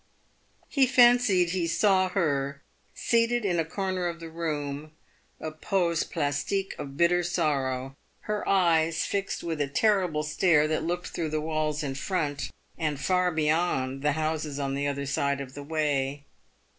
He fancied he saw her seated in a corner of the room — ajpose plastique of bitter sorrow — her eyes fixed with a terrible stare that looked through the walls in front, and far beyond the houses on the other side of the way.